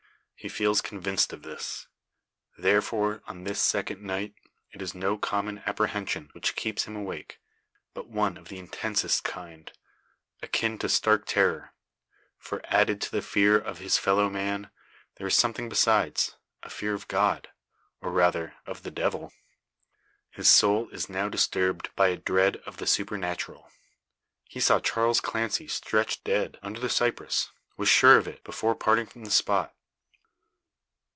He feels convinced of this. Therefore, on this second night, it is no common apprehension which keeps him awake, but one of the intensest kind, akin to stark terror. For, added to the fear of his fellow man, there is something besides a fear of God; or, rather of the Devil. His soul is now disturbed by a dread of the supernatural. He saw Charles Clancy stretched dead, under the cypress was sure of it, before parting from the spot.